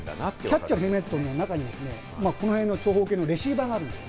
キャッチャーのヘルメットの中に長方形のレシーバーがあるんです。